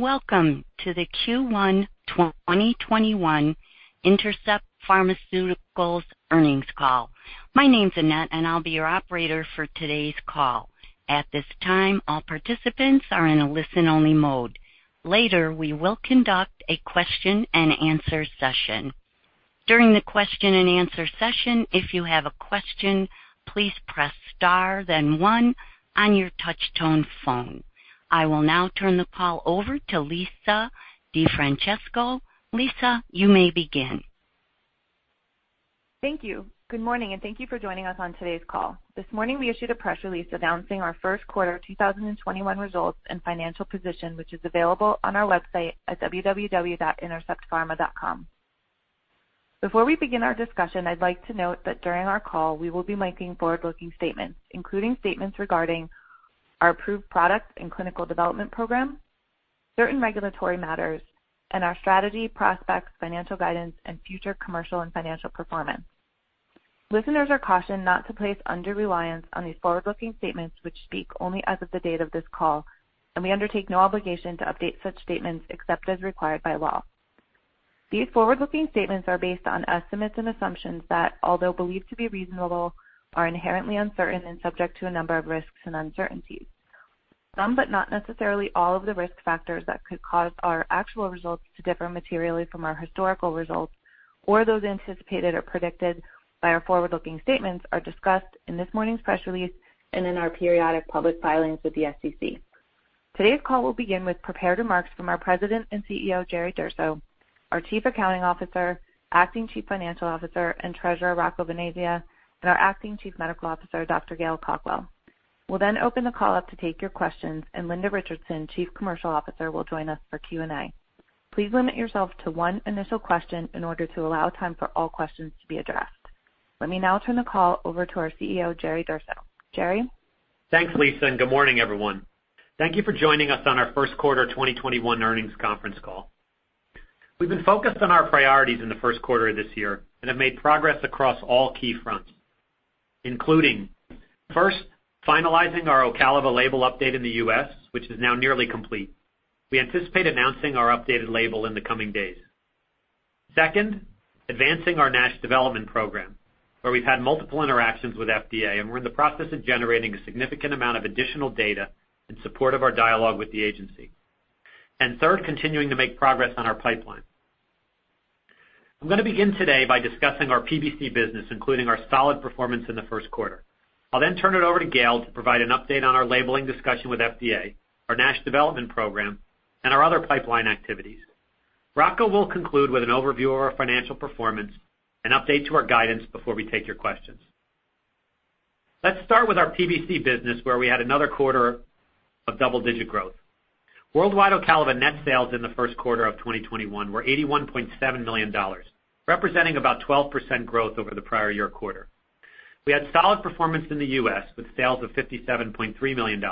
Welcome to the Q1 2021 Intercept Pharmaceuticals Earnings Call. My name's Annette, and I'll be your operator for today's call. At this time, all participants are in a listen-only mode. Later, we will conduct a question and answer session. During the question and answer session, if you have a question, please press star then one on your touch tone phone. I will now turn the call over to Lisa DeFrancesco. Lisa, you may begin. Thank you. Good morning, and thank you for joining us on today's call. This morning, we issued a press release announcing our First Quarter 2021 Results and Financial Position, which is available on our website at www.interceptpharma.com. Before we begin our discussion, I'd like to note that during our call, we will be making forward-looking statements, including statements regarding our approved products and clinical development program, certain regulatory matters, and our strategy, prospects, financial guidance, and future commercial and financial performance. Listeners are cautioned not to place undue reliance on these forward-looking statements which speak only as of the date of this call, and we undertake no obligation to update such statements except as required by law. These forward-looking statements are based on estimates and assumptions that, although believed to be reasonable, are inherently uncertain and subject to a number of risks and uncertainties. Some, but not necessarily all, of the risk factors that could cause our actual results to differ materially from our historical results or those anticipated or predicted by our forward-looking statements are discussed in this morning's press release and in our periodic public filings with the SEC. Today's call will begin with prepared remarks from our President and CEO, Jerry Durso, our Chief Accounting Officer, Acting Chief Financial Officer, and Treasurer, Rocco Venezia, and our Acting Chief Medical Officer, Dr. Gail Cawkwell. We'll then open the call up to take your questions, and Linda Richardson, Chief Commercial Officer, will join us for Q&A. Please limit yourself to one initial question in order to allow time for all questions to be addressed. Let me now turn the call over to our CEO, Jerry Durso. Jerry? Thanks, Lisa. Good morning, everyone. Thank you for joining us on our First Quarter 2021 Earnings Conference Call. We've been focused on our priorities in the first quarter of this year and have made progress across all key fronts, including, first, finalizing our OCALIVA label update in the U.S., which is now nearly complete. We anticipate announcing our updated label in the coming days. Second, advancing our NASH development program, where we've had multiple interactions with FDA, and we're in the process of generating a significant amount of additional data in support of our dialogue with the agency. Third, continuing to make progress on our pipeline. I'm going to begin today by discussing our PBC business, including our solid performance in the first quarter. I'll then turn it over to Gail to provide an update on our labeling discussion with FDA, our NASH development program, and our other pipeline activities. Rocco will conclude with an overview of our financial performance and update to our guidance before we take your questions. Let's start with our PBC business, where we had another quarter of double-digit growth. Worldwide OCALIVA net sales in the first quarter of 2021 were $81.7 million, representing about 12% growth over the prior-year quarter. We had solid performance in the U.S. with sales of $57.3 million,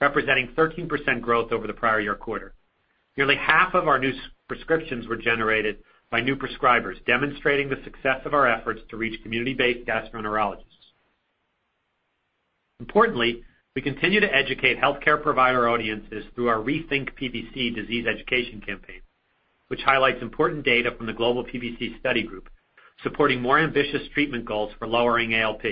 representing 13% growth over the prior-year quarter. Nearly half of our new prescriptions were generated by new prescribers, demonstrating the success of our efforts to reach community-based gastroenterologists. We continue to educate healthcare provider audiences through our Rethink PBC disease education campaign, which highlights important data from the Global PBC Study Group, supporting more ambitious treatment goals for lowering ALP.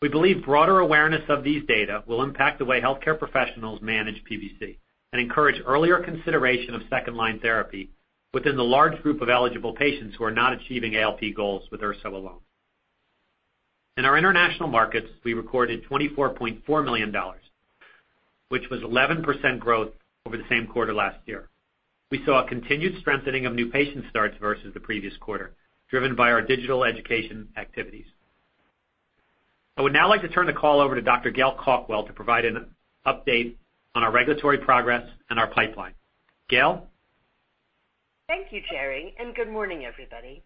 We believe broader awareness of these data will impact the way healthcare professionals manage PBC and encourage earlier consideration of second-line therapy within the large group of eligible patients who are not achieving ALP goals with ursodiol alone. In our international markets, we recorded $24.4 million, which was 11% growth over the same quarter last year. We saw a continued strengthening of new patient starts versus the previous quarter, driven by our digital education activities. I would now like to turn the call over to Dr. Gail Cawkwell to provide an update on our regulatory progress and our pipeline. Gail? Thank you, Jerry, and good morning, everybody.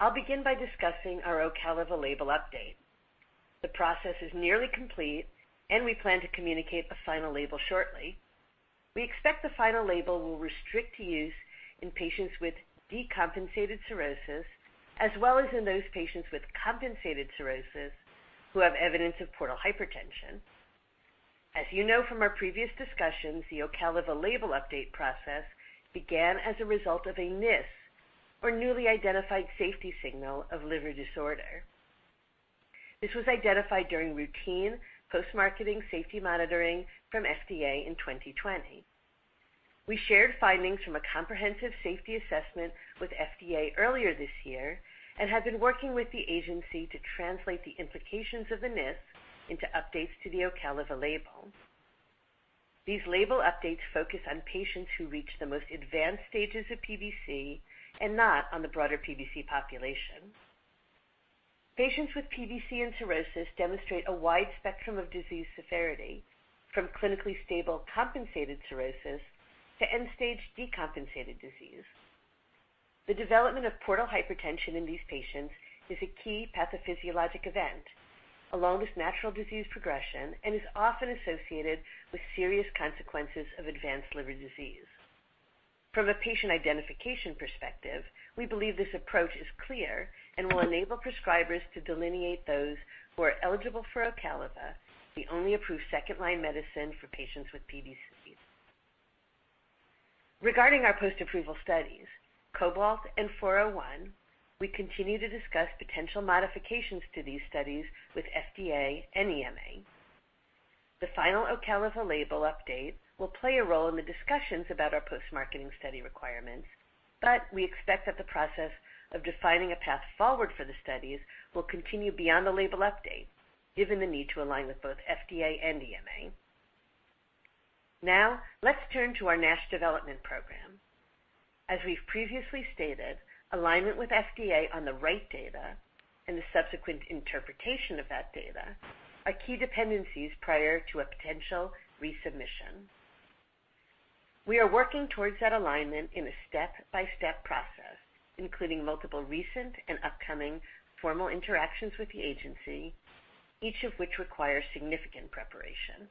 I'll begin by discussing our OCALIVA label update. The process is nearly complete, and we plan to communicate a final label shortly. We expect the final label will restrict use in patients with decompensated cirrhosis, as well as in those patients with compensated cirrhosis who have evidence of portal hypertension. As you know from our previous discussions, the OCALIVA label update process began as a result of a [NISS], or newly identified safety signal, of liver disorder. This was identified during routine post-marketing safety monitoring from FDA in 2020. We shared findings from a comprehensive safety assessment with FDA earlier this year and have been working with the agency to translate the implications of the [NISS] into updates to the OCALIVA label. These label updates focus on patients who reach the most advanced stages of PBC and not on the broader PBC population. Patients with PBC and cirrhosis demonstrate a wide spectrum of disease severity, from clinically stable compensated cirrhosis to end-stage decompensated disease. The development of portal hypertension in these patients is a key pathophysiologic event, along with natural disease progression, and is often associated with serious consequences of advanced liver disease. From a patient identification perspective, we believe this approach is clear and will enable prescribers to delineate those who are eligible for OCALIVA, the only approved second line medicine for patients with PBC. Regarding our post-approval studies, COBALT and 401, we continue to discuss potential modifications to these studies with FDA and EMA. The final OCALIVA label update will play a role in the discussions about our post-marketing study requirements, but we expect that the process of defining a path forward for the studies will continue beyond the label update, given the need to align with both FDA and EMA. Let's turn to our NASH development program. As we've previously stated, alignment with FDA on the right data and the subsequent interpretation of that data are key dependencies prior to a potential resubmission. We are working towards that alignment in a step-by-step process, including multiple recent and upcoming formal interactions with the agency, each of which requires significant preparation.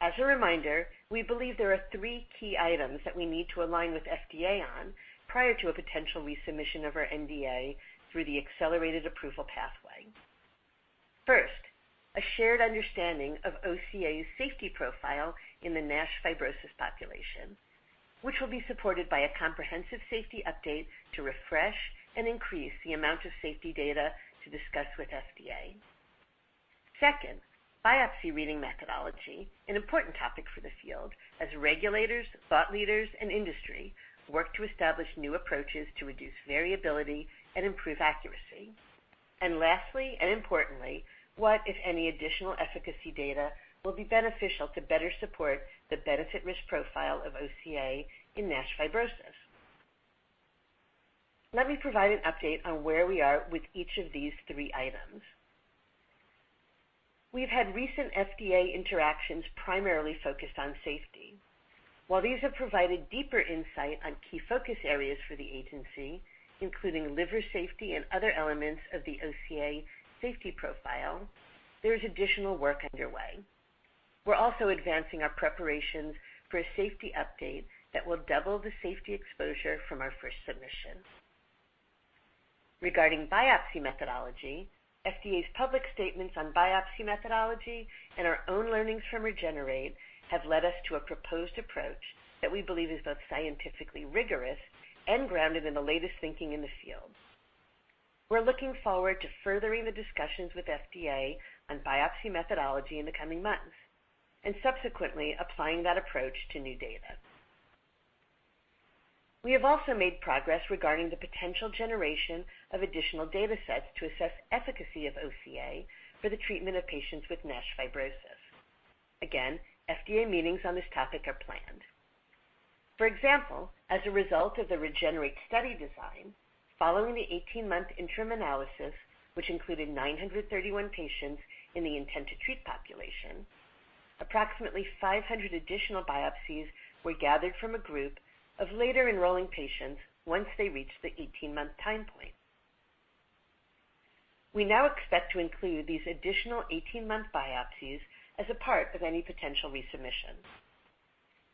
As a reminder, we believe there are three key items that we need to align with FDA on prior to a potential resubmission of our NDA through the accelerated approval pathway. First, a shared understanding of OCA's safety profile in the NASH fibrosis population, which will be supported by a comprehensive safety update to refresh and increase the amount of safety data to discuss with FDA. Second, biopsy reading methodology, an important topic for the field as regulators, thought leaders, and industry work to establish new approaches to reduce variability and improve accuracy. Lastly and importantly, what, if any, additional efficacy data will be beneficial to better support the benefit-risk profile of OCA in NASH fibrosis. Let me provide an update on where we are with each of these three items. We've had recent FDA interactions primarily focused on safety. While these have provided deeper insight on key focus areas for the agency, including liver safety and other elements of the OCA safety profile, there is additional work underway. We're also advancing our preparations for a safety update that will double the safety exposure from our first submission. Regarding biopsy methodology, FDA's public statements on biopsy methodology and our own learnings from REGENERATE have led us to a proposed approach that we believe is both scientifically rigorous and grounded in the latest thinking in the field. We're looking forward to furthering the discussions with FDA on biopsy methodology in the coming months, and subsequently applying that approach to new data. We have also made progress regarding the potential generation of additional data sets to assess efficacy of OCA for the treatment of patients with NASH fibrosis. Again, FDA meetings on this topic are planned. For example, as a result of the REGENERATE study design, following the 18-month interim analysis, which included 931 patients in the intent to treat population, approximately 500 additional biopsies were gathered from a group of later enrolling patients once they reached the 18-month time point. We now expect to include these additional 18-month biopsies as a part of any potential resubmission.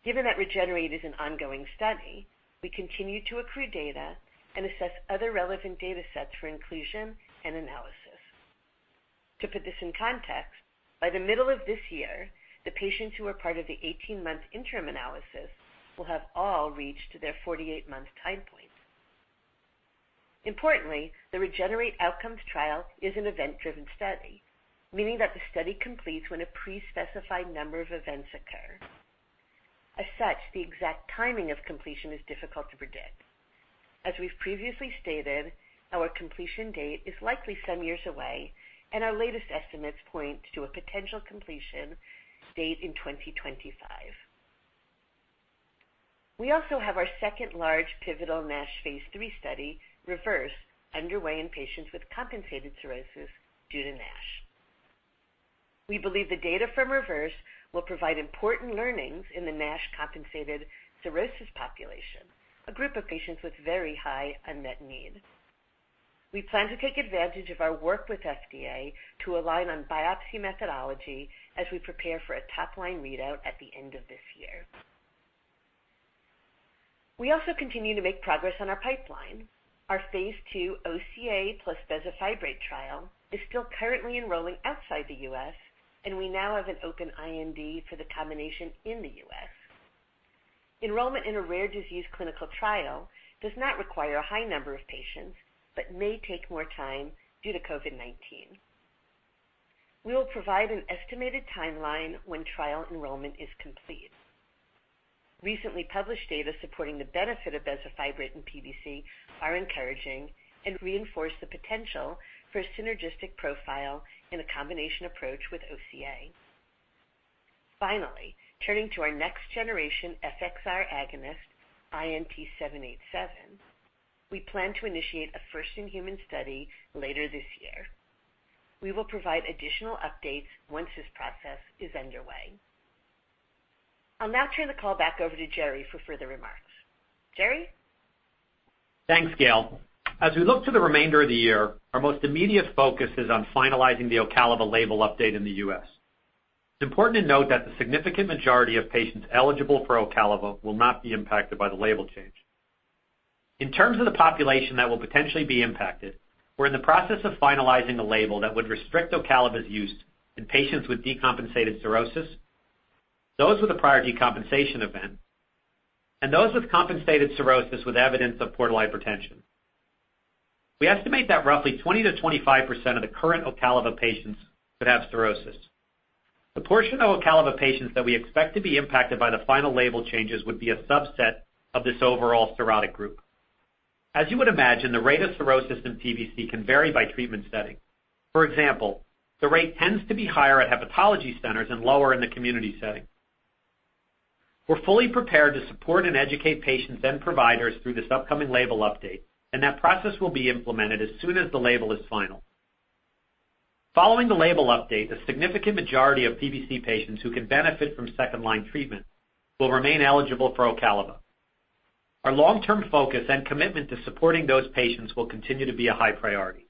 Given that REGENERATE is an ongoing study, we continue to accrue data and assess other relevant data sets for inclusion and analysis. To put this in context, by the middle of this year, the patients who are part of the 18-month interim analysis will have all reached their 48-month time point. Importantly, the REGENERATE outcomes trial is an event-driven study, meaning that the study completes when a pre-specified number of events occur. As such, the exact timing of completion is difficult to predict. As we've previously stated, our completion date is likely some years away, and our latest estimates point to a potential completion date in 2025. We also have our second large pivotal NASH phase III study, REVERSE, underway in patients with compensated cirrhosis due to NASH. We believe the data from REVERSE will provide important learnings in the NASH compensated cirrhosis population, a group of patients with very high unmet need. We plan to take advantage of our work with FDA to align on biopsy methodology as we prepare for a top-line readout at the end of this year. We also continue to make progress on our pipeline. Our phase II OCA + bezafibrate trial is still currently enrolling outside the U.S., and we now have an open IND for the combination in the U.S. Enrollment in a rare disease clinical trial does not require a high number of patients, but may take more time due to COVID-19. We will provide an estimated timeline when trial enrollment is complete. Recently published data supporting the benefit of bezafibrate in PBC are encouraging and reinforce the potential for a synergistic profile in a combination approach with OCA. Finally, turning to our next-generation FXR agonist, INT-787, we plan to initiate a first-in-human study later this year. We will provide additional updates once this process is underway. I'll now turn the call back over to Jerry for further remarks. Jerry? Thanks, Gail. As we look to the remainder of the year, our most immediate focus is on finalizing the OCALIVA label update in the U.S. It's important to note that the significant majority of patients eligible for OCALIVA will not be impacted by the label change. In terms of the population that will potentially be impacted, we're in the process of finalizing a label that would restrict OCALIVA's use in patients with decompensated cirrhosis, those with a prior decompensation event, and those with compensated cirrhosis with evidence of portal hypertension. We estimate that roughly 20%-25% of the current OCALIVA patients could have cirrhosis. The portion of OCALIVA patients that we expect to be impacted by the final label changes would be a subset of this overall cirrhotic group. As you would imagine, the rate of cirrhosis in PBC can vary by treatment setting. For example, the rate tends to be higher at hepatology centers and lower in the community setting. We're fully prepared to support and educate patients and providers through this upcoming label update, and that process will be implemented as soon as the label is final. Following the label update, a significant majority of PBC patients who can benefit from second line treatment will remain eligible for OCALIVA. Our long-term focus and commitment to supporting those patients will continue to be a high priority.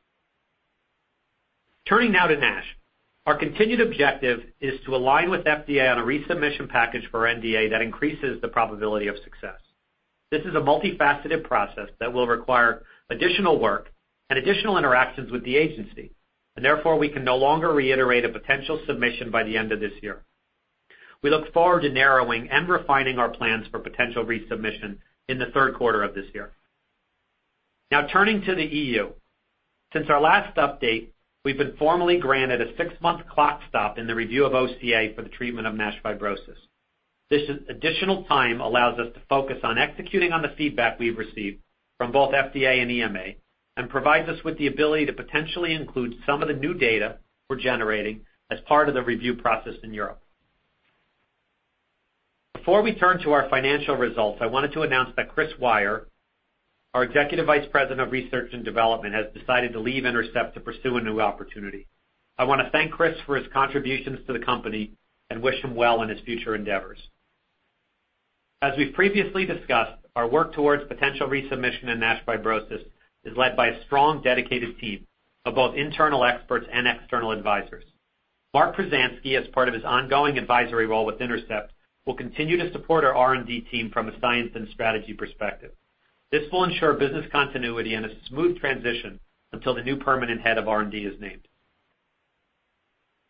Turning now to NASH. Our continued objective is to align with FDA on a resubmission package for NDA that increases the probability of success. This is a multifaceted process that will require additional work and additional interactions with the agency, and therefore, we can no longer reiterate a potential submission by the end of this year. We look forward to narrowing and refining our plans for potential resubmission in the third quarter of this year. Turning to the E.U. Since our last update, we've been formally granted a six-month clock stop in the review of OCA for the treatment of NASH fibrosis. This additional time allows us to focus on executing on the feedback we've received from both FDA and EMA and provides us with the ability to potentially include some of the new data we're generating as part of the review process in Europe. Before we turn to our financial results, I wanted to announce that Chris Weyer, our Executive Vice President of Research and Development, has decided to leave Intercept to pursue a new opportunity. I want to thank Chris for his contributions to the company and wish him well in his future endeavors. As we've previously discussed, our work towards potential resubmission in NASH fibrosis is led by a strong, dedicated team of both internal experts and external advisors. Mark Pruzanski, as part of his ongoing advisory role with Intercept, will continue to support our R&D team from a science and strategy perspective. This will ensure business continuity and a smooth transition until the new permanent head of R&D is named.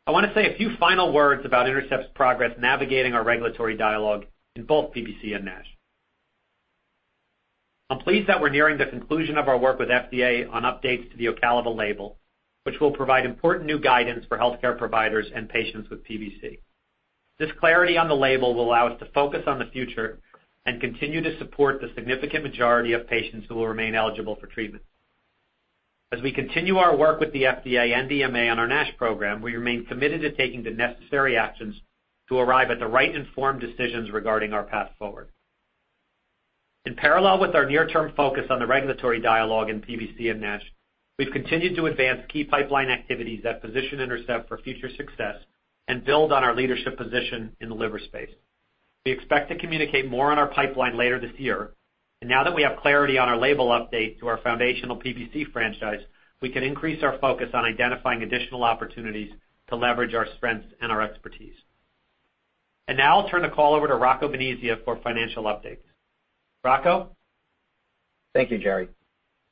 I want to say a few final words about Intercept's progress navigating our regulatory dialogue in both PBC and NASH. I'm pleased that we're nearing the conclusion of our work with FDA on updates to the OCALIVA label, which will provide important new guidance for healthcare providers and patients with PBC. This clarity on the label will allow us to focus on the future and continue to support the significant majority of patients who will remain eligible for treatment. As we continue our work with the FDA and EMA on our NASH program, we remain committed to taking the necessary actions to arrive at the right informed decisions regarding our path forward. In parallel with our near-term focus on the regulatory dialogue in PBC and NASH, we've continued to advance key pipeline activities that position Intercept for future success and build on our leadership position in the liver space. We expect to communicate more on our pipeline later this year. Now that we have clarity on our label update to our foundational PBC franchise, we can increase our focus on identifying additional opportunities to leverage our strengths and our expertise. Now I'll turn the call over to Rocco Venezia for financial updates. Rocco? Thank you, Jerry.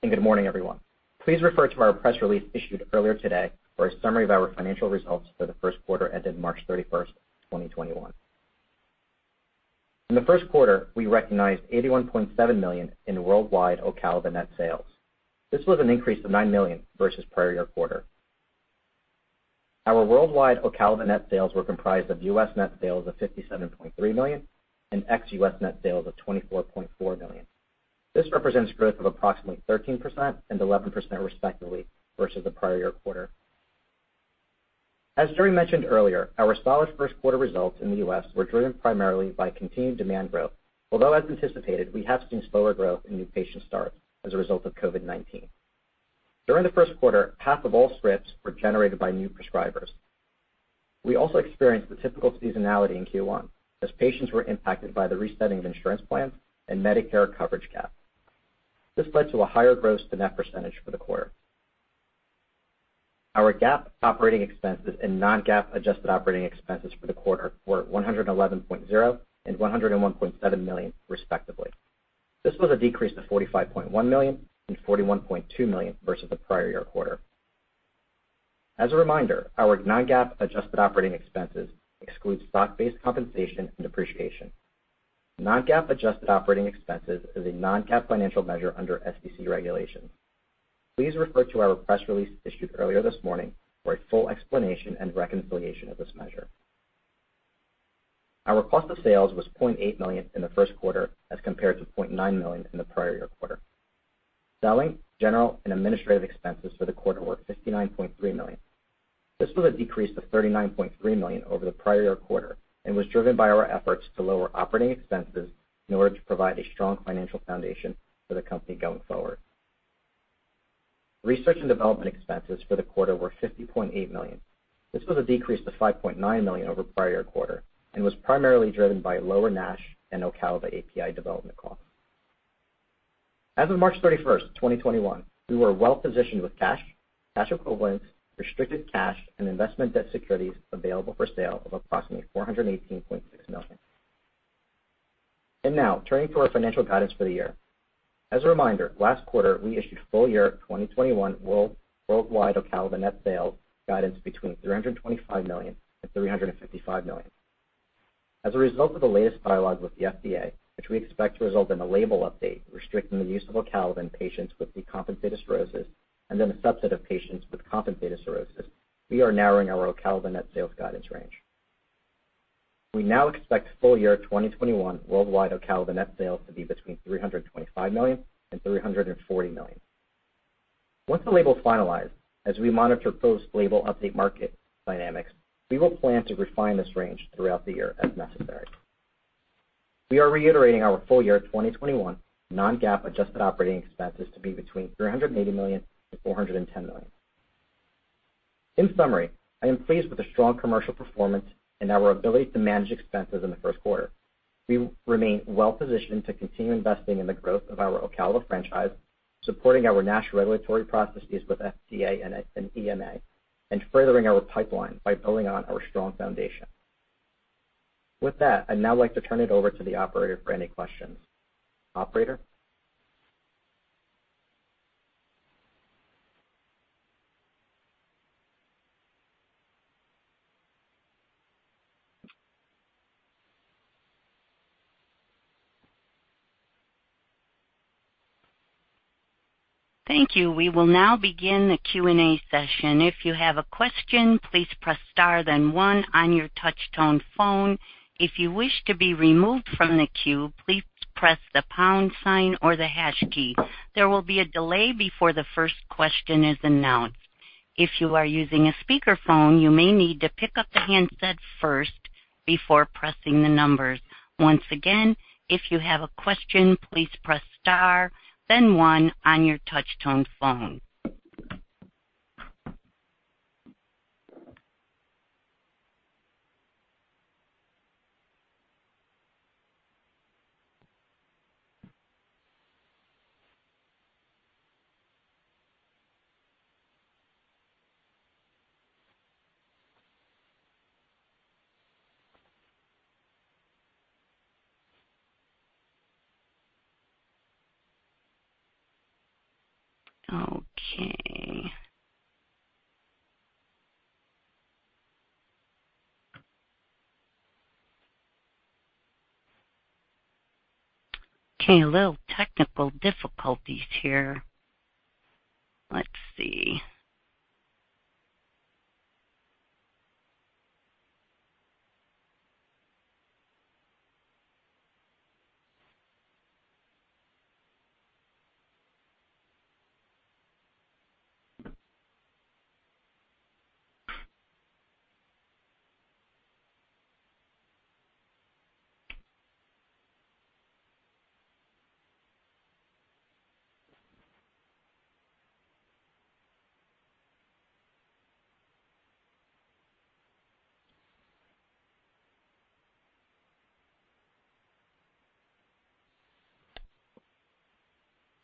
Good morning, everyone. Please refer to our press release issued earlier today for a summary of our financial results for the first quarter ended March 31st, 2021. In the first quarter, we recognized $81.7 million in worldwide OCALIVA net sales. This was an increase of $9 million versus prior-year quarter. Our worldwide OCALIVA net sales were comprised of U.S. net sales of $57.3 million and ex-U.S. net sales of $24.4 million. This represents growth of approximately 13% and 11% respectively versus the prior-year quarter. As Jerry mentioned earlier, our solid first quarter results in the U.S. were driven primarily by continued demand growth. Although, as anticipated, we have seen slower growth in new patient starts as a result of COVID-19. During the first quarter, half of all scripts were generated by new prescribers. We also experienced the typical seasonality in Q1 as patients were impacted by the resetting of insurance plans and Medicare coverage gap. This led to a higher gross to net percentage for the quarter. Our GAAP operating expenses and non-GAAP adjusted operating expenses for the quarter were $111.0 and $101.7 million, respectively. This was a decrease of $45.1 million and $41.2 million versus the prior-year quarter. As a reminder, our non-GAAP adjusted operating expenses exclude stock-based compensation and depreciation. Non-GAAP adjusted operating expenses is a non-GAAP financial measure under SEC regulations. Please refer to our press release issued earlier this morning for a full explanation and reconciliation of this measure. Our cost of sales was $0.8 million in the first quarter as compared to $0.9 million in the prior-year quarter. Selling, general, and administrative expenses for the quarter were $59.3 million. This was a decrease of $39.3 million over the prior-year quarter and was driven by our efforts to lower operating expenses in order to provide a strong financial foundation for the company going forward. Research and development expenses for the quarter were $50.8 million. This was a decrease of $5.9 million over prior-quarter and was primarily driven by lower NASH and OCALIVA API development costs. As of March 31st, 2021, we were well-positioned with cash equivalents, restricted cash, and investment debt securities available for sale of approximately $418.6 million. Now turning to our financial guidance for the year. As a reminder, last quarter, we issued full-year 2021 worldwide OCALIVA net sales guidance between $325 million and $355 million. As a result of the latest dialogue with the FDA, which we expect to result in a label update restricting the use of OCALIVA in patients with decompensated cirrhosis and in a subset of patients with compensated cirrhosis, we are narrowing our OCALIVA net sales guidance range. We now expect full-year 2021 worldwide OCALIVA net sales to be between $325 million and $340 million. Once the label is finalized, as we monitor post-label update market dynamics, we will plan to refine this range throughout the year as necessary. We are reiterating our full-year 2021 non-GAAP adjusted operating expenses to be between $380 million and $410 million. In summary, I am pleased with the strong commercial performance and our ability to manage expenses in the first quarter. We remain well-positioned to continue investing in the growth of our OCALIVA franchise, supporting our NASH regulatory processes with FDA and EMA, and furthering our pipeline by building on our strong foundation. With that, I'd now like to turn it over to the operator for any questions. Operator? Thank you. We will now begin the Q&A session. If you have a question, please press star then one on your touch tone phone. If you wish to be removed from the queue, please press the pound sign or the hash key. There will be a delay before the first question is announced. If you are using a speakerphone, you may need to pick up the handset first before pressing the numbers. Once again, if you have a question, please press star then one on your touch tone phone. Okay, a little technical difficulties here. Let's see.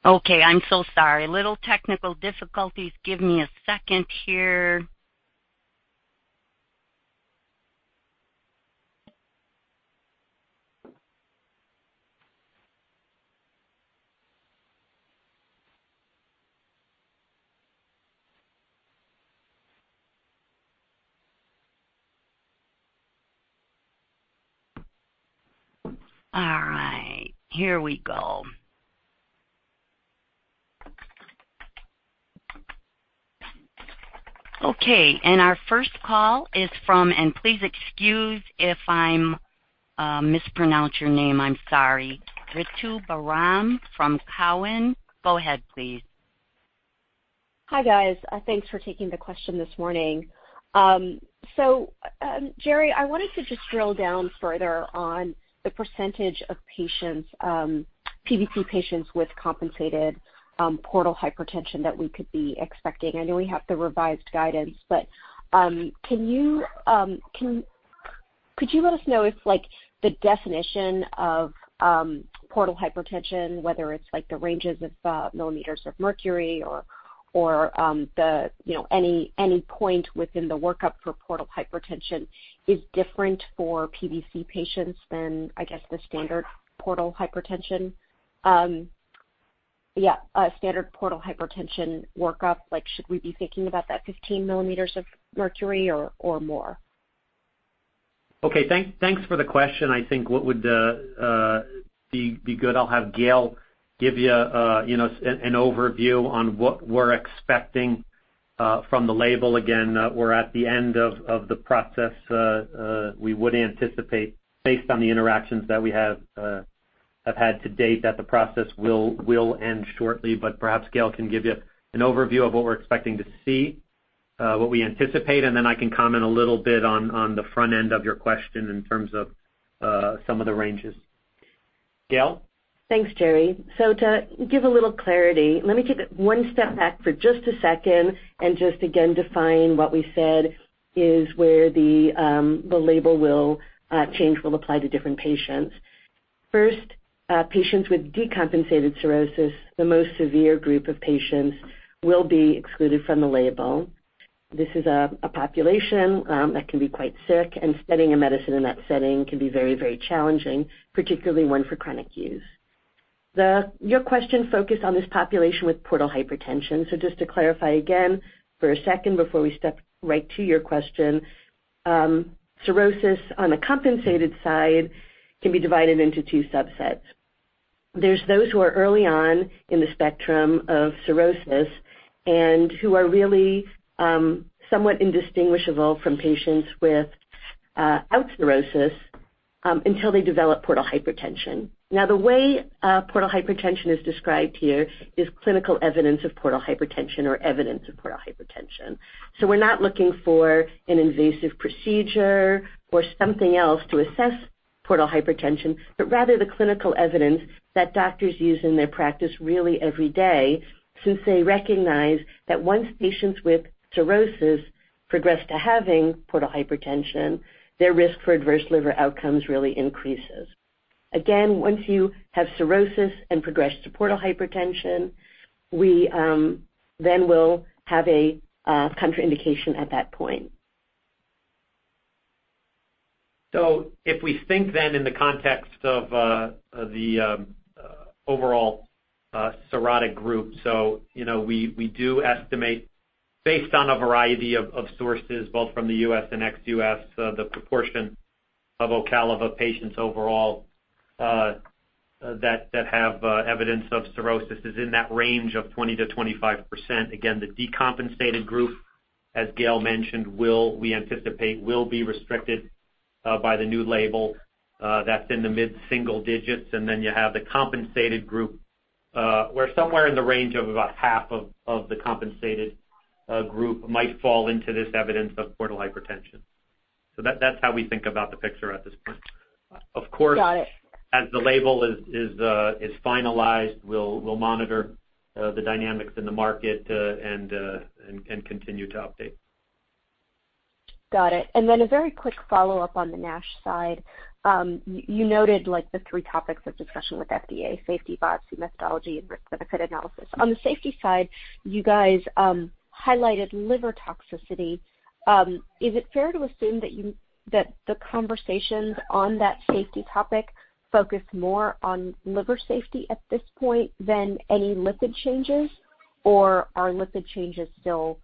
Okay, I'm so sorry. Little technical difficulties. Give me a second here. All right, here we go. Okay, and our first call is from, and please excuse if I mispronounce your name, I'm sorry, Ritu Baral from Cowen. Go ahead please. Hi, guys. Thanks for taking the question this morning. Jerry, I wanted to just drill down further on the percentage of PBC patients with compensated portal hypertension that we could be expecting. I know we have the revised guidance, could you let us know if the definition of portal hypertension, whether it's the ranges of millimeters of mercury or any point within the workup for portal hypertension is different for PBC patients than, I guess, the standard portal hypertension? Yeah, a standard portal hypertension workup. Should we be thinking about that 15 millimeters of mercury or more? Thanks for the question. I think what would be good, I'll have Gail give you an overview on what we're expecting from the label. Again, we're at the end of the process. We would anticipate, based on the interactions that we have had to date, that the process will end shortly. Perhaps Gail can give you an overview of what we're expecting to see, what we anticipate, and then I can comment a little bit on the front end of your question in terms of some of the ranges. Gail? Thanks, Jerry. To give a little clarity, let me take it one step back for just a second and just again define what we said is where the label change will apply to different patients. First, patients with decompensated cirrhosis, the most severe group of patients, will be excluded from the label. This is a population that can be quite sick, and studying a medicine in that setting can be very challenging, particularly one for chronic use. Your question focused on this population with portal hypertension. Just to clarify again for a second before we step right to your question, cirrhosis on the compensated side can be divided into two subsets. There's those who are early on in the spectrum of cirrhosis and who are really somewhat indistinguishable from patients without cirrhosis, until they develop portal hypertension. The way portal hypertension is described here is clinical evidence of portal hypertension or evidence of portal hypertension. We're not looking for an invasive procedure or something else to assess portal hypertension, but rather the clinical evidence that doctors use in their practice really every day since they recognize that once patients with cirrhosis progress to having portal hypertension, their risk for adverse liver outcomes really increases. Once you have cirrhosis and progress to portal hypertension, we then will have a contraindication at that point. If we think then in the context of the overall cirrhotic group, we do estimate based on a variety of sources, both from the U.S. and ex-U.S., the proportion of OCALIVA patients overall that have evidence of cirrhosis is in that range of 20%-25%. Again, the decompensated group, as Gail mentioned, we anticipate will be restricted by the new label. That's in the mid-single-digits. You have the compensated group, where somewhere in the range of about half of the compensated group might fall into this evidence of portal hypertension. That's how we think about the picture at this point. Got it. As the label is finalized, we'll monitor the dynamics in the market and continue to update. Got it. A very quick follow-up on the NASH side. You noted the three topics of discussion with FDA: safety, biopsy, methodology, and risk-benefit analysis. On the safety side, you guys highlighted liver toxicity. Is it fair to assume that the conversations on that safety topic focus more on liver safety at this point than any lipid changes? Are lipid changes still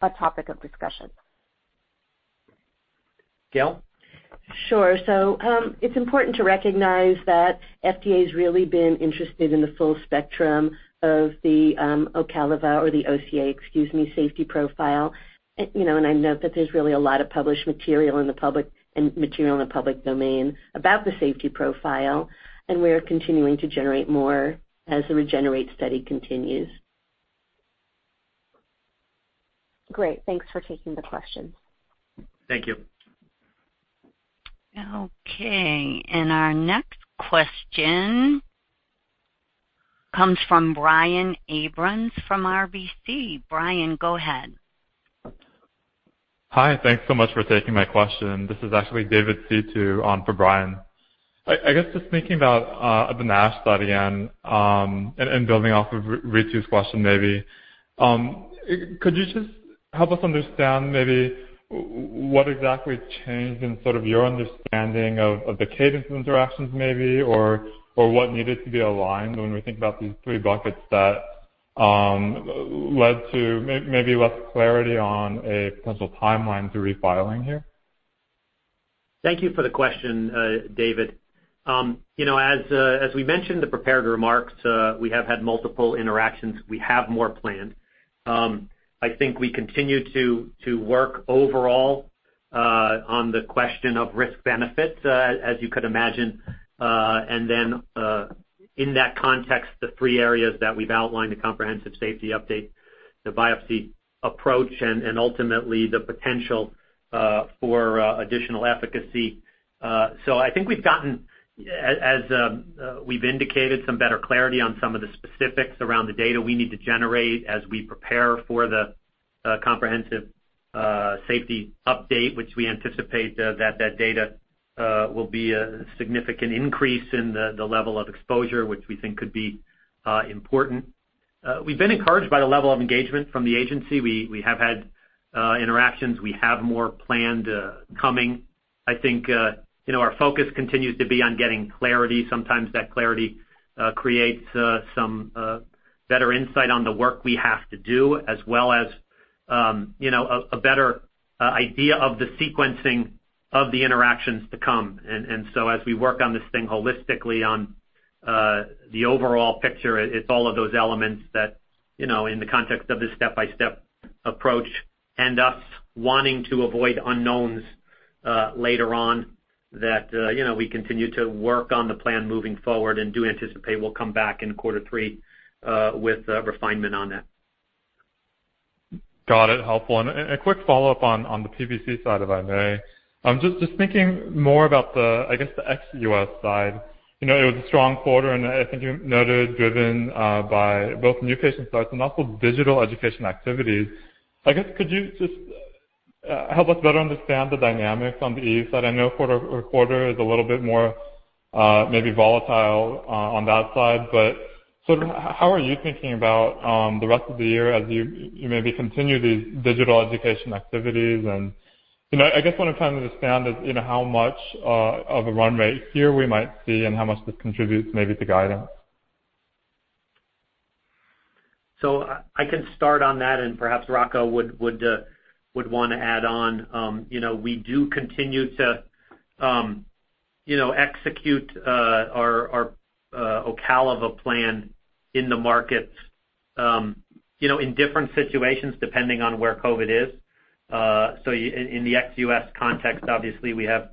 a topic of discussion? Gail? Sure. It's important to recognize that FDA's really been interested in the full spectrum of the OCALIVA or the OCA, excuse me, safety profile. I know that there's really a lot of published material in the public domain about the safety profile, and we are continuing to generate more as the REGENERATE study continues. Great. Thanks for taking the question. Thank you. Okay. Our next question comes from Brian Abrahams from RBC. Brian, go ahead. Hi, thanks so much for taking my question. This is actually David Szeto on for Brian. I guess just thinking about the NASH study again, and building off of Ritu's question, maybe. Could you just help us understand maybe what exactly changed in sort of your understanding of the cadence of interactions maybe, or what needed to be aligned when we think about these three buckets that led to maybe less clarity on a potential timeline to refiling here? Thank you for the question, David. As we mentioned in the prepared remarks, we have had multiple interactions. We have more planned. I think we continue to work overall on the question of risk benefits, as you could imagine. In that context, the three areas that we've outlined, the comprehensive safety update, the biopsy approach, and ultimately the potential for additional efficacy. I think we've gotten, as we've indicated, some better clarity on some of the specifics around the data we need to generate as we prepare for the comprehensive safety update, which we anticipate that that data will be a significant increase in the level of exposure, which we think could be important. We've been encouraged by the level of engagement from the agency. We have had interactions. We have more planned coming. I think our focus continues to be on getting clarity. Sometimes that clarity creates some better insight on the work we have to do, as well as a better idea of the sequencing of the interactions to come. As we work on this thing holistically on the overall picture, it's all of those elements that, in the context of this step-by-step approach, end up wanting to avoid unknowns later on that we continue to work on the plan moving forward and do anticipate we'll come back in quarter three with refinement on that. Got it. Helpful. A quick follow-up on the PBC side, if I may. Just thinking more about the ex-U.S. side. It was a strong quarter, and I think you noted, driven by both new patient starts and also digital education activities. I guess, could you just help us better understand the dynamics on the E.U. side? I know quarter-over-quarter is a little bit more maybe volatile on that side, but sort of how are you thinking about the rest of the year as you maybe continue these digital education activities? I guess what I'm trying to understand is how much of a run-rate here we might see and how much this contributes maybe to guidance. I can start on that and perhaps Rocco would want to add on. We do continue to execute our OCALIVA plan in the markets in different situations, depending on where COVID is. In the ex-U.S. context, obviously, we have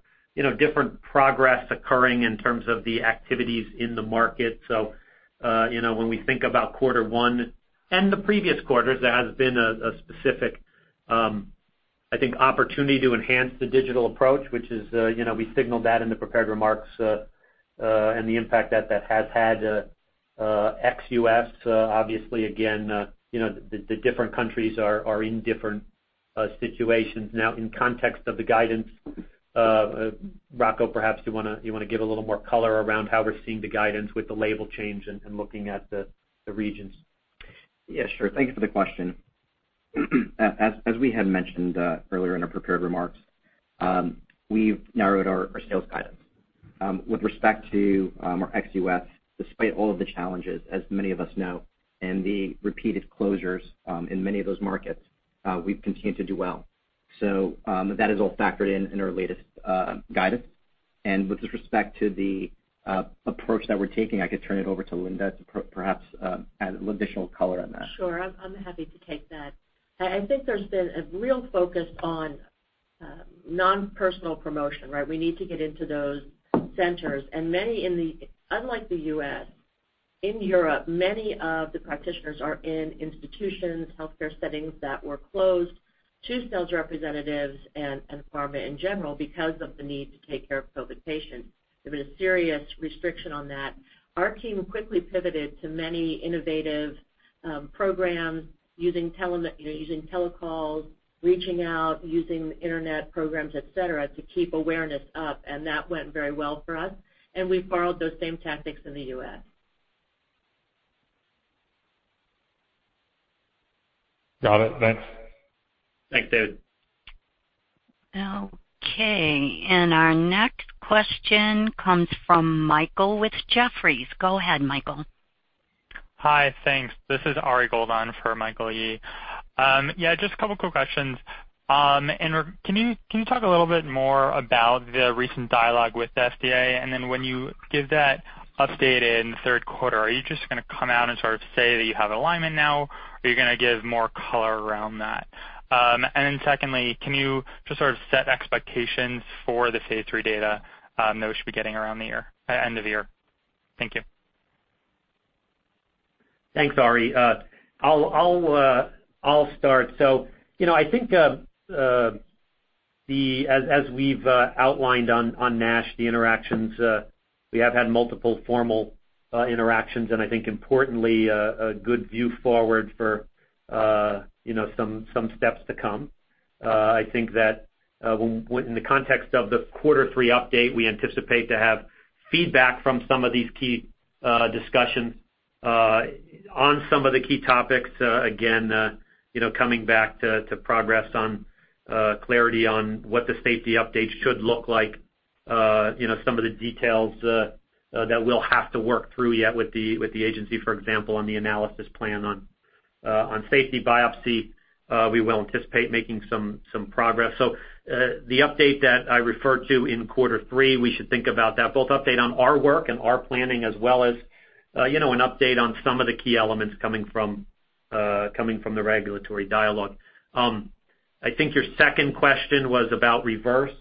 different progress occurring in terms of the activities in the market. When we think about quarter one and the previous quarters, there has been a specific, I think, opportunity to enhance the digital approach, which is we signaled that in the prepared remarks, and the impact that that has had ex-U.S. Obviously, again the different countries are in different situations. In context of the guidance, Rocco, perhaps you want to give a little more color around how we're seeing the guidance with the label change and looking at the regions. Yeah, sure. Thank you for the question. As we had mentioned earlier in our prepared remarks, we've narrowed our sales guidance. With respect to our ex-U.S., despite all of the challenges, as many of us know, and the repeated closures in many of those markets, we've continued to do well. That is all factored in in our latest guidance. With respect to the approach that we're taking, I could turn it over to Linda to perhaps add additional color on that. Sure. I'm happy to take that. I think there's been a real focus on non-personal promotion, right? We need to get into those centers. Unlike the U.S., in Europe, many of the practitioners are in institutions, healthcare settings that were closed to sales representatives and pharma in general because of the need to take care of COVID patients. There've been a serious restriction on that. Our team quickly pivoted to many innovative programs using telecalls, reaching out, using internet programs, et cetera, to keep awareness up, and that went very well for us. We've borrowed those same tactics in the U.S. Got it. Thanks. Thanks, David. Okay. Our next question comes from Michael with Jefferies. Go ahead, Michael. Hi. Thanks. This is Ari Gold on for Michael Yee. Yeah, just a couple quick questions. Can you talk a little bit more about the recent dialogue with the FDA? When you give that update in the third quarter, are you just going to come out and sort of say that you have alignment now or are you going to give more color around that? Secondly, can you just sort of set expectations for the phase III data that we should be getting around the end of the year? Thank you. Thanks, Ari. I'll start. I think as we've outlined on NASH, the interactions, we have had multiple formal interactions and I think importantly, a good view forward for some steps to come. I think that in the context of the quarter three update, we anticipate to have feedback from some of these key discussions on some of the key topics, again coming back to progress on clarity on what the safety updates should look like. Some of the details that we'll have to work through yet with the FDA, for example, on the analysis plan on safety biopsy, we will anticipate making some progress. The update that I referred to in quarter three, we should think about that both update on our work and our planning as well as an update on some of the key elements coming from the regulatory dialogue. I think your second question was about REVERSE.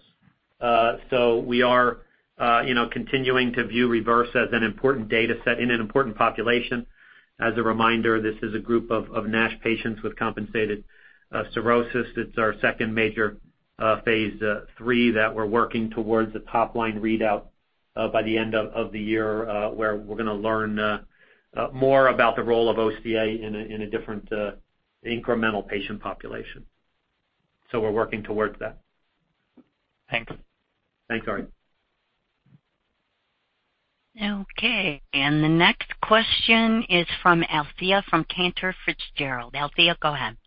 We are continuing to view REVERSE as an important data set in an important population. As a reminder, this is a group of NASH patients with compensated cirrhosis. It's our second major phase III that we're working towards a top-line readout by the end of the year, where we're going to learn more about the role of OCA in a different incremental patient population. We're working towards that. Thanks. Thanks, Ari. Okay. The next question is from Alethia Young from Cantor Fitzgerald. Alethia Young, go ahead.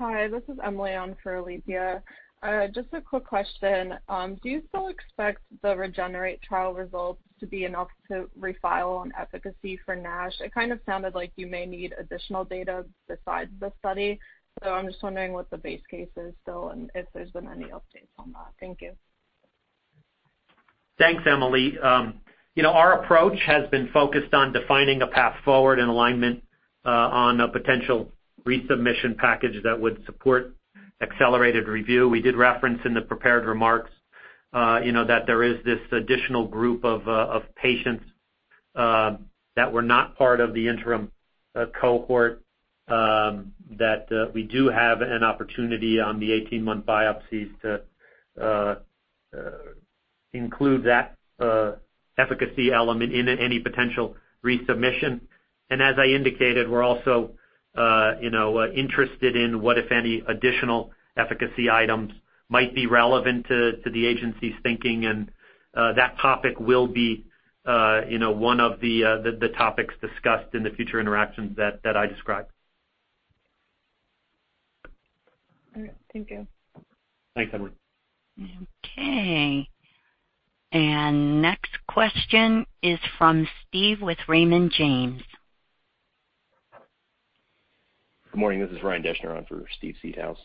Hi. This is Emily on for Alethia Young. Just a quick question. Do you still expect the REGENERATE trial results to be enough to refile on efficacy for NASH? It kind of sounded like you may need additional data besides the study. I'm just wondering what the base case is still and if there's been any updates on that. Thank you. Thanks, Emily. Our approach has been focused on defining a path forward and alignment on a potential resubmission package that would support accelerated review. We did reference in the prepared remarks that there is this additional group of patients that were not part of the interim cohort, that we do have an opportunity on the 18-month biopsies to include that efficacy element in any potential resubmission. As I indicated, we're also interested in what, if any, additional efficacy items might be relevant to the agency's thinking, and that topic will be one of the topics discussed in the future interactions that I described. All right. Thank you. Thanks, Emily. Okay. Next question is from Steve with Raymond James. Good morning. This is Ryan Deschner on for Steve Seedhouse.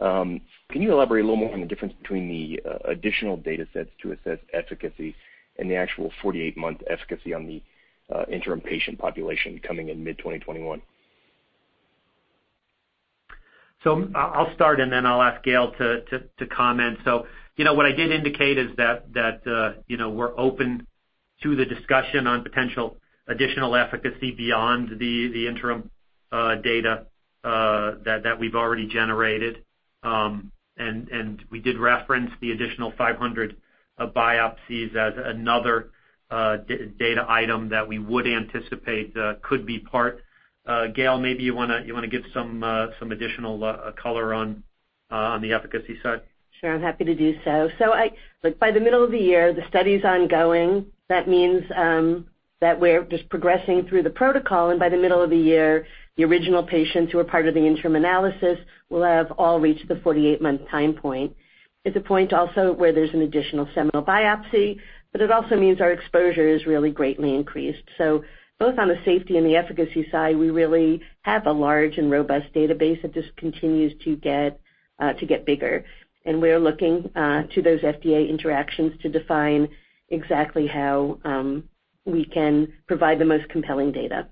Can you elaborate a little more on the difference between the additional data sets to assess efficacy and the actual 48-month efficacy on the interim patient population coming in mid-2021? I'll start, and then I'll ask Gail to comment. What I did indicate is that we're open to the discussion on potential additional efficacy beyond the interim data that we've already generated. We did reference the additional 500 biopsies as another data item that we would anticipate could be part. Gail, maybe you want to give some additional color on the efficacy side? Sure, I'm happy to do so. By the middle of the year, the study's ongoing. That means that we're just progressing through the protocol, and by the middle of the year, the original patients who are part of the interim analysis will have all reached the 48-month time point. It's a point also where there's an additional seminal biopsy, but it also means our exposure is really greatly increased. Both on the safety and the efficacy side, we really have a large and robust database that just continues to get bigger. We're looking to those FDA interactions to define exactly how we can provide the most compelling data.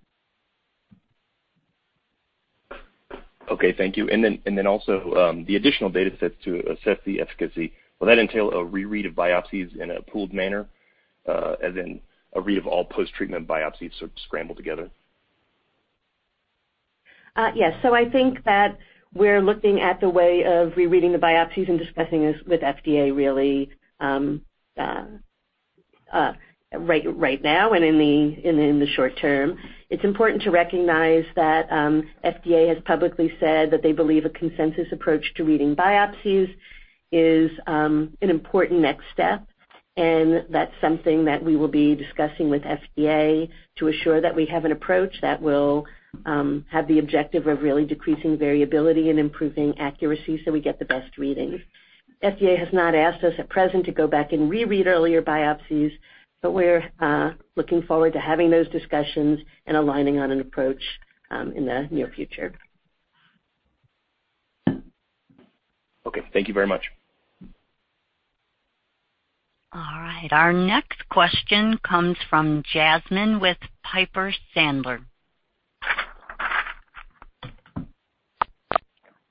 Okay. Thank you. Also, the additional data sets to assess the efficacy, will that entail a reread of biopsies in a pooled manner, as in a read of all post-treatment biopsies sort of scrambled together? Yes. I think that we're looking at the way of rereading the biopsies and discussing this with FDA really right now and in the short-term. It's important to recognize that FDA has publicly said that they believe a consensus approach to reading biopsies is an important next step, and that's something that we will be discussing with FDA to assure that we have an approach that will have the objective of really decreasing variability and improving accuracy so we get the best readings. FDA has not asked us at present to go back and reread earlier biopsies. We're looking forward to having those discussions and aligning on an approach in the near future. Okay. Thank you very much. All right. Our next question comes from Yasmeen with Piper Sandler.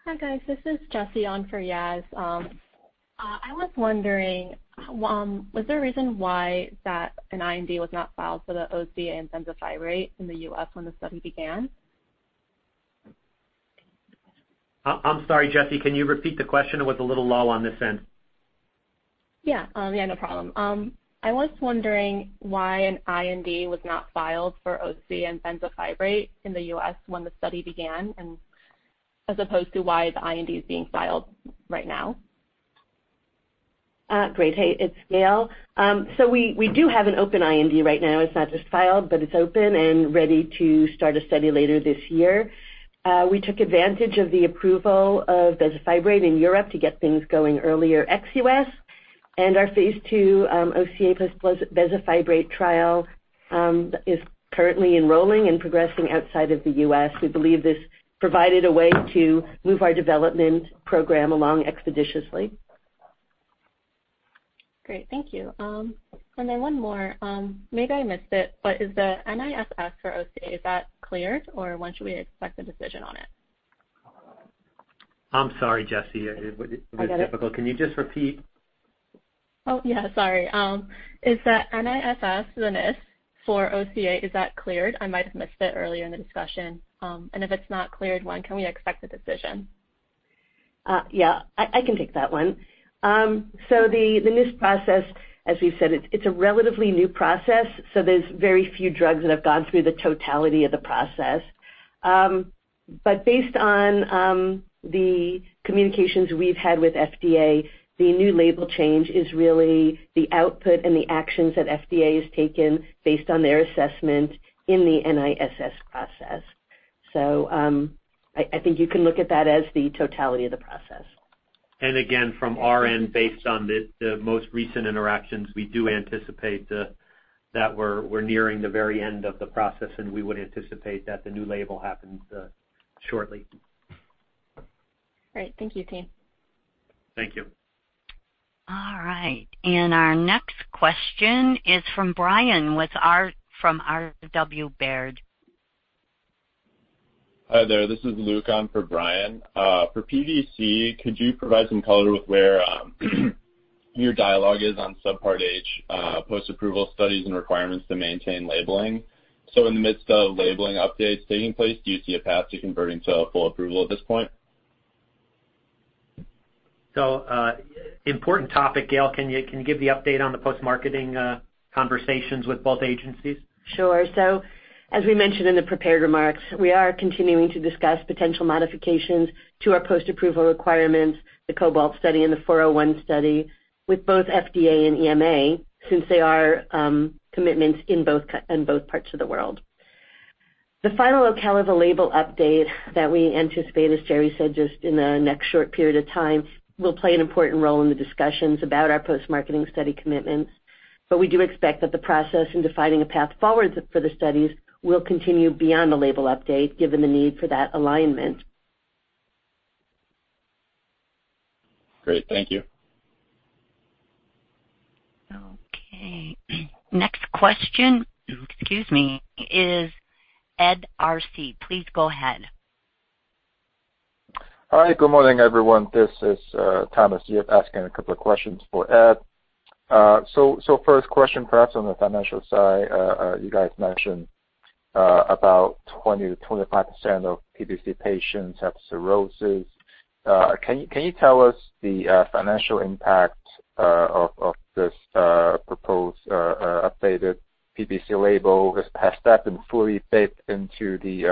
Hi, guys. This is Jesse on for Yas. I was wondering, was there a reason why that an IND was not filed for the OCA and bezafibrate in the U.S. when the study began? I'm sorry, Jesse, can you repeat the question? It was a little low on this end. No problem. I was wondering why an IND was not filed for OCA and bezafibrate in the U.S. when the study began, and as opposed to why the IND is being filed right now. Great. Hey, it's Gail. We do have an open IND right now. It's not just filed, but it's open and ready to start a study later this year. We took advantage of the approval of bezafibrate in Europe to get things going earlier ex-U.S., and our phase II OCA plus bezafibrate trial is currently enrolling and progressing outside of the U.S. We believe this provided a way to move our development program along expeditiously. Great. Thank you. One more. Maybe I missed it, is the NISS for OCA, is that cleared, or when should we expect a decision on it? I'm sorry, Jesse. It was difficult. I get it. Can you just repeat? Oh, yeah, sorry. Is the NISS for OCA, is that cleared? I might have missed it earlier in the discussion. If it's not cleared, when can we expect a decision? Yeah. I can take that one. The NISS process, as we've said, it's a relatively new process, there's very few drugs that have gone through the totality of the process. Based on the communications we've had with FDA, the new label change is really the output and the actions that FDA has taken based on their assessment in the NISS process. I think you can look at that as the totality of the process. Again, from our end, based on the most recent interactions, we do anticipate that we're nearing the very end of the process, and we would anticipate that the new label happens shortly. Great. Thank you, team. Thank you. All right. Our next question is from Brian with Robert W. Baird Hi there. This is Luke. I'm for Brian. For PBC, could you provide some color with where your dialogue is on Subpart H, post-approval studies and requirements to maintain labeling? In the midst of labeling updates taking place, do you see a path to converting to a full approval at this point? Important topic, Gail. Can you give the update on the post-marketing conversations with both agencies? Sure. As we mentioned in the prepared remarks, we are continuing to discuss potential modifications to our post-approval requirements, the COBALT study and the Study 401 with both FDA and EMA, since they are commitments in both parts of the world. The final OCALIVA label update that we anticipate, as Jerry said, just in the next short period of time, will play an important role in the discussions about our post-marketing study commitments. We do expect that the process in defining a path forward for the studies will continue beyond the label update, given the need for that alignment. Great. Thank you. Okay. Next question. Excuse me. Is Ed Arce, please go ahead. Hi. Good morning, everyone. This is Thomas Yip, asking a couple of questions for Ed. First question, perhaps on the financial side. You guys mentioned about 20%-25% of PBC patients have cirrhosis. Can you tell us the financial impact of this proposed updated PBC label? Has that been fully baked into the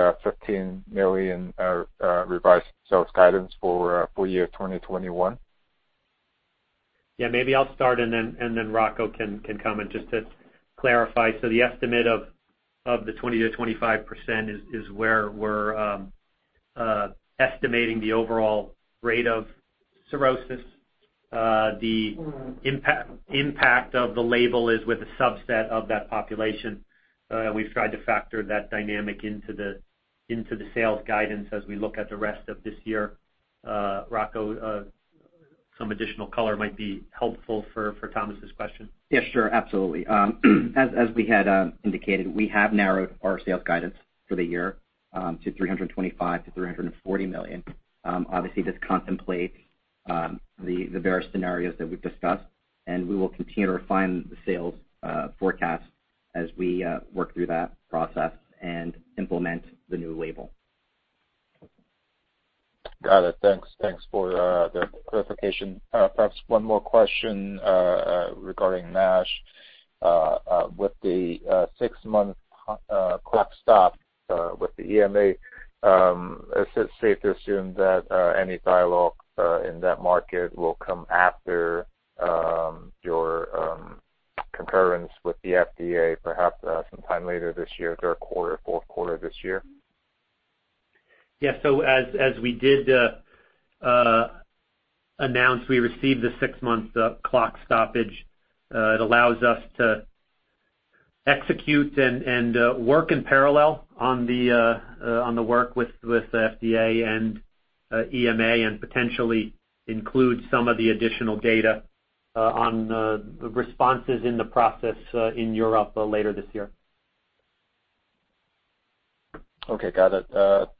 $13 million revised sales guidance for full-year 2021? Yeah, maybe I'll start and then Rocco can come in just to clarify. The estimate of the 20%-25% is where we're estimating the overall rate of cirrhosis. The impact of the label is with a subset of that population. We've tried to factor that dynamic into the sales guidance as we look at the rest of this year. Rocco, some additional color might be helpful for Thomas's question. Yeah, sure. Absolutely. We had indicated, we have narrowed our sales guidance for the year to $325 million-$340 million. Obviously, this contemplates the various scenarios that we've discussed. We will continue to refine the sales forecast as we work through that process and implement the new label. Got it. Thanks for the clarification. Perhaps one more question regarding NASH. With the six-month clock stop with the EMA, is it safe to assume that any dialogue in that market will come after your concurrence with the FDA, perhaps sometime later this year, third quarter, fourth quarter this year? Yeah. As we did announce, we received the six-month clock stoppage. It allows us to execute and work in parallel on the work with the FDA and EMA, and potentially include some of the additional data on the responses in the process in Europe later this year. Okay, got it.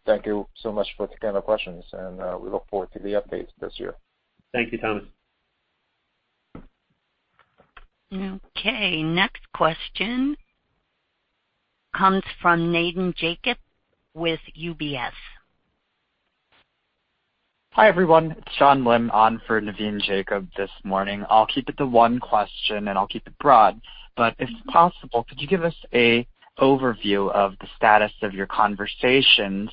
Thank you so much for taking our questions. We look forward to the updates this year. Thank you, Thomas. Okay. Next question comes from Naveen Jacob with UBS. Hi, everyone. It's Xin Lim on for Naveen Jacob this morning. I'll keep it to one question, and I'll keep it broad. If possible, could you give us an overview of the status of your conversations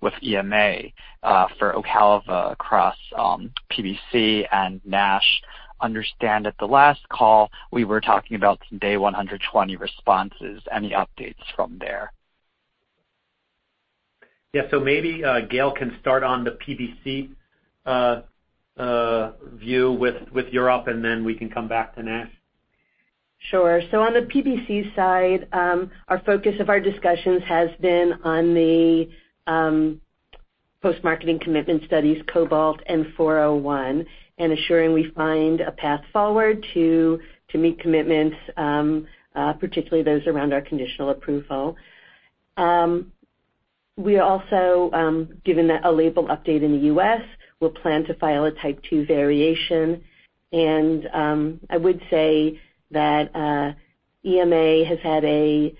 with EMA for OCALIVA across PBC and NASH? Understand at the last call, we were talking about some day 120 responses. Any updates from there? Yeah. Maybe Gail can start on the PBC view with Europe, and then we can come back to NASH. On the PBC side, our focus of our discussions has been on the post-marketing commitment studies, COBALT and 401, and assuring we find a path forward to meet commitments, particularly those around our conditional approval. We also, given a label update in the U.S., will plan to file a Type II variation, and I would say that EMA has had a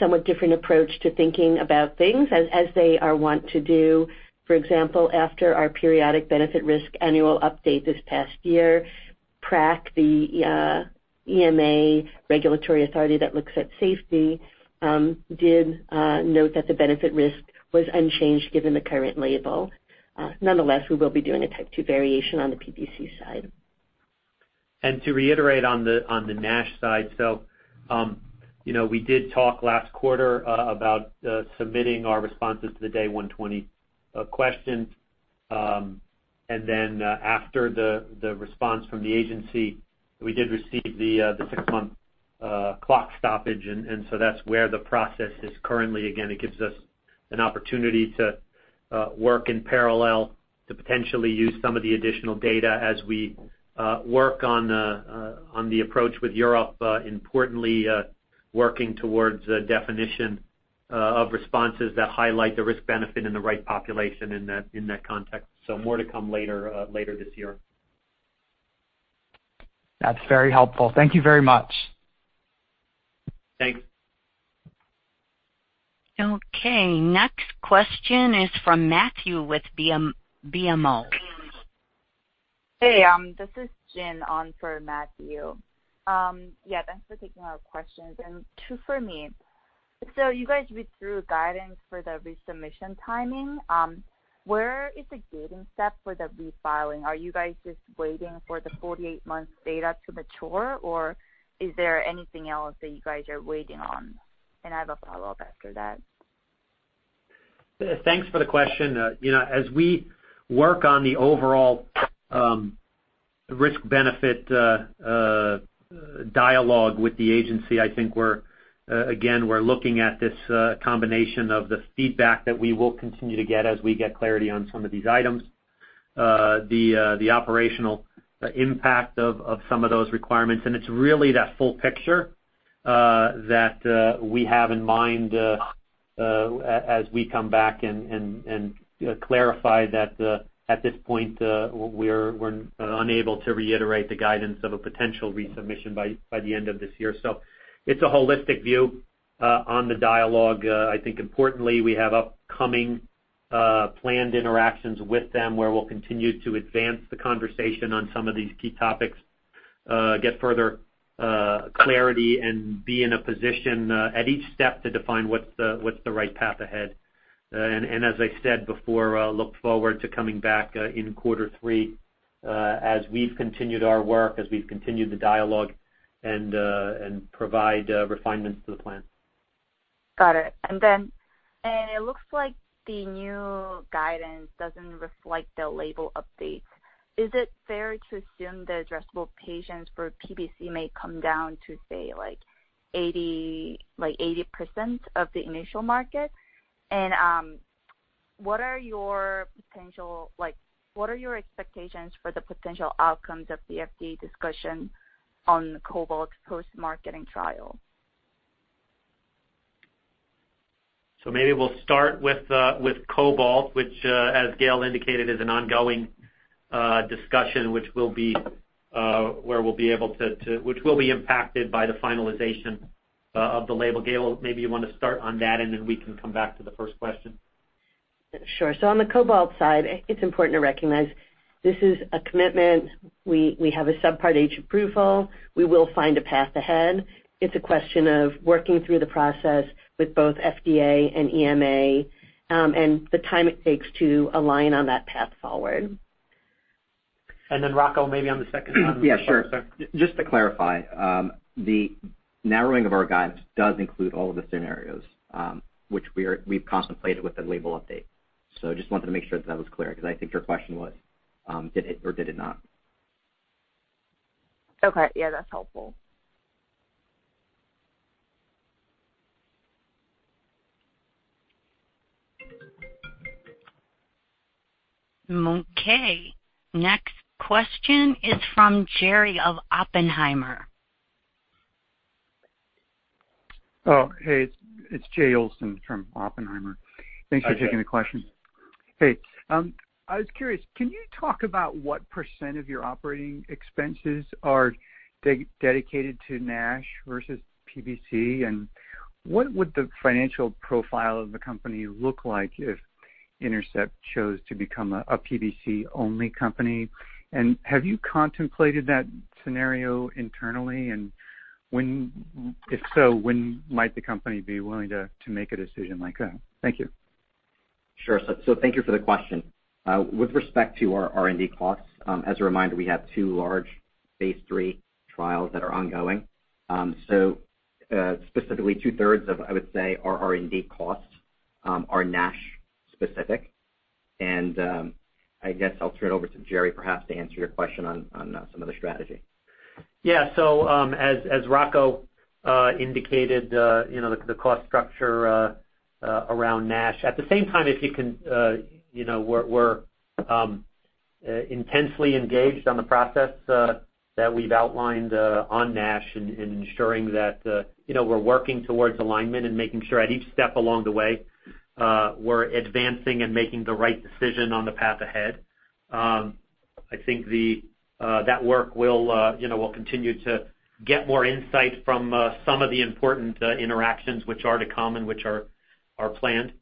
somewhat different approach to thinking about things as they are want to do. For example, after our periodic benefit risk annual update this past year, PRAC, the EMA regulatory authority that looks at safety, did note that the benefit risk was unchanged given the current label. Nonetheless, we will be doing a Type II variation on the PBC side. To reiterate on the NASH side. We did talk last quarter about submitting our responses to the day 120 questions. After the response from the agency, we did receive the six-month clock stoppage, and so that's where the process is currently. Again, it gives us an opportunity to work in parallel to potentially use some of the additional data as we work on the approach with Europe, importantly, working towards a definition of responses that highlight the risk-benefit in the right population in that context. More to come later this year. That's very helpful. Thank you very much. Thanks. Okay. Next question is from Matthew with BMO. Hey, this is Jin on for Matthew. Yeah, thanks for taking our questions, and two for me. You guys withdrew guidance for the resubmission timing. Where is the gating step for the refiling? Are you guys just waiting for the 48-month data to mature, or is there anything else that you guys are waiting on? I have a follow-up after that. Thanks for the question. As we work on the overall risk-benefit dialogue with the agency, I think, again, we're looking at this combination of the feedback that we will continue to get as we get clarity on some of these items, the operational impact of some of those requirements, and it's really that full picture that we have in mind as we come back and clarify that at this point, we're unable to reiterate the guidance of a potential resubmission by the end of this year. It's a holistic view on the dialogue. I think importantly, we have upcoming planned interactions with them where we'll continue to advance the conversation on some of these key topics, get further clarity, and be in a position at each step to define what's the right path ahead. As I said before, look forward to coming back in quarter three as we've continued our work, as we've continued the dialogue and provide refinements to the plan. Got it. It looks like the new guidance doesn't reflect the label updates. Is it fair to assume the addressable patients for PBC may come down to, say, like 80% of the initial market? What are your expectations for the potential outcomes of the FDA discussion on COBALT's post-marketing trial? Maybe we'll start with COBALT, which, as Gail indicated, is an ongoing discussion which will be impacted by the finalization of the label. Gail, maybe you want to start on that, and then we can come back to the first question. Sure. On the COBALT side, it's important to recognize this is a commitment. We have a Subpart H approval. We will find a path ahead. It's a question of working through the process with both FDA and EMA, and the time it takes to align on that path forward. Rocco, maybe on the second part. Yeah, sure. Just to clarify, the narrowing of our guidance does include all of the scenarios, which we've contemplated with the label update. Just wanted to make sure that that was clear, because I think your question was did it or did it not? Okay. Yeah, that's helpful. Okay. Next question is from Jerry of Oppenheimer. Oh, hey, it's Jay Olson from Oppenheimer. Hi, Jay. Thanks for taking the question. Hey, I was curious, can you talk about what % of your operating expenses are dedicated to NASH versus PBC, and what would the financial profile of the company look like if Intercept chose to become a PBC-only company? Have you contemplated that scenario internally, and if so, when might the company be willing to make a decision like that? Thank you. Sure. Thank you for the question. With respect to our R&D costs, as a reminder, we have two large phase III trials that are ongoing. Specifically two-thirds of, I would say, our R&D costs are NASH specific. I guess I'll turn it over to Jerry perhaps to answer your question on some of the strategy. As Rocco indicated, the cost structure around NASH. At the same time, we're intensely engaged on the process that we've outlined on NASH and ensuring that we're working towards alignment and making sure at each step along the way, we're advancing and making the right decision on the path ahead. I think that work will continue to get more insight from some of the important interactions which are to come and which are planned.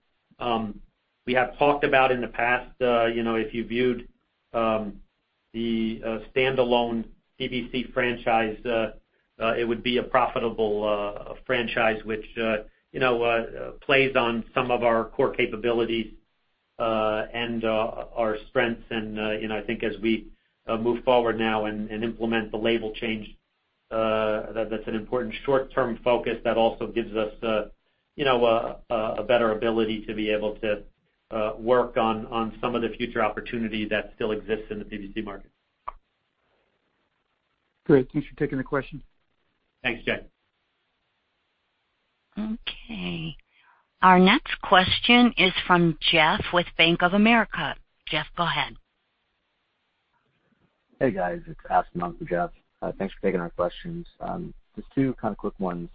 We have talked about in the past, if you viewed the standalone PBC franchise, it would be a profitable franchise which plays on some of our core capabilities and our strengths. I think as we move forward now and implement the label change, that's an important short-term focus that also gives us a better ability to be able to work on some of the future opportunities that still exist in the PBC market. Great. Thanks for taking the question. Thanks, Jay. Okay. Our next question is from Jeff with Bank of America. Jeff, go ahead. Hey, guys. It's Aspen. I'm with Jeff. Thanks for taking our questions. Just two kind of quick ones.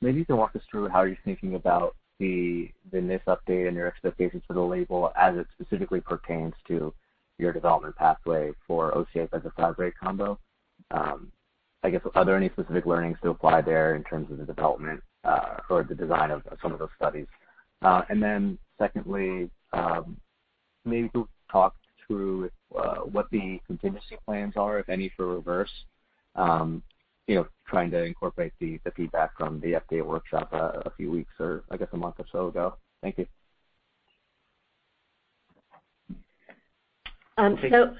Maybe you can walk us through how you're thinking about the NISS update and your expectations for the label as it specifically pertains to your development pathway for OCA bezafibrate combo. I guess, are there any specific learnings to apply there in terms of the development, or the design of some of those studies? Secondly, maybe you could talk through what the contingency plans are, if any, for REVERSE. Trying to incorporate the feedback from the FDA workshop a few weeks or I guess a month or so ago. Thank you.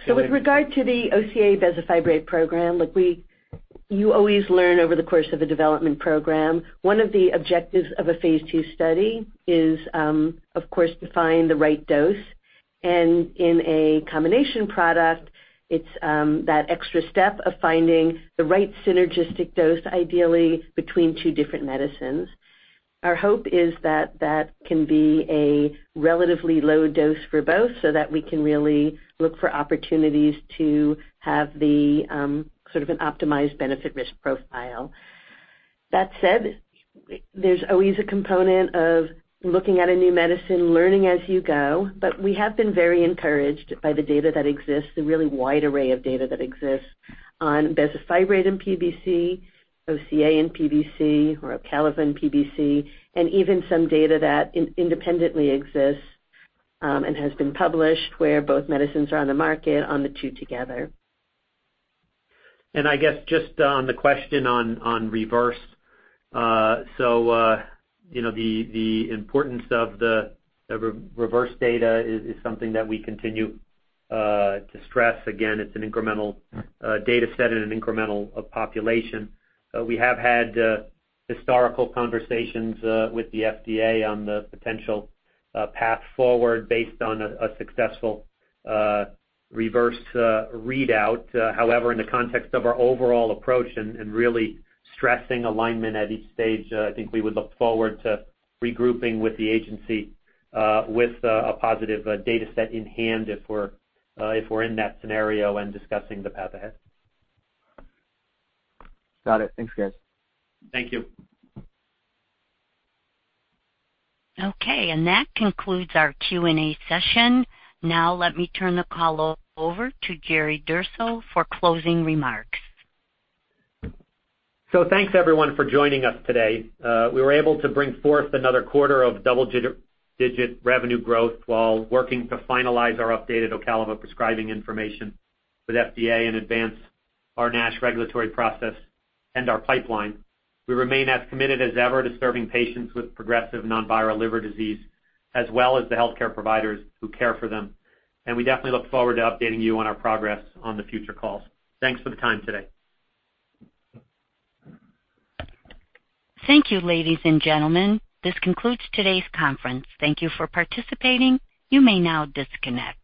With regard to the OCA bezafibrate program, look, you always learn over the course of a development program. One of the objectives of a phase II study is, of course, to find the right dose. And in a combination product, it's that extra step of finding the right synergistic dose, ideally between two different medicines. Our hope is that that can be a relatively low dose for both so that we can really look for opportunities to have the sort of an optimized benefit risk profile. There's always a component of looking at a new medicine, learning as you go, but we have been very encouraged by the data that exists, the really wide array of data that exists on bezafibrate in PBC, OCA in PBC, or OCALIVA in PBC, and even some data that independently exists, and has been published where both medicines are on the market on the two together. I guess just on the question on REVERSE. The importance of the REVERSE data is something that we continue to stress. Again, it's an incremental data set and an incremental population. We have had historical conversations with the FDA on the potential path forward based on a successful REVERSE readout. However, in the context of our overall approach and really stressing alignment at each stage, I think we would look forward to regrouping with the agency, with a positive data set in hand if we're in that scenario and discussing the path ahead. Got it. Thanks, guys. Thank you. Okay. That concludes our Q&A session. Let me turn the call over to Jerry Durso for closing remarks. Thanks everyone for joining us today. We were able to bring forth another quarter of double-digit revenue growth while working to finalize our updated OCALIVA prescribing information with FDA in advance our NASH regulatory process and our pipeline. We remain as committed as ever to serving patients with progressive non-viral liver disease as well as the healthcare providers who care for them. We definitely look forward to updating you on our progress on the future calls. Thanks for the time today. Thank you, ladies and gentlemen. This concludes today's conference. Thank you for participating. You may now disconnect.